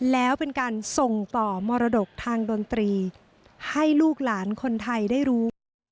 แล้วเป็นการส่งต่อมรดกทางดนตรีให้ลูกหลานคนไทยได้รู้ว่า